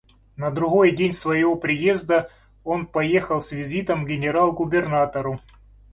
На другой день своего приезда он поехал с визитом к генерал-губернатору.